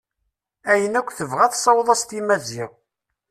Ayen akk tebɣa tessaweḍ-as-t i Maziɣ.